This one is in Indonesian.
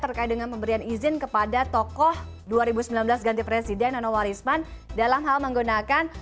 terkait dengan pemberian izin kepada tokoh dua ribu sembilan belas ganti presiden nono warisman dalam hal menggunakan